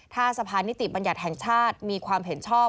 ถ้าสะพานนิติบัญญัติแห่งชาติมีความเห็นชอบ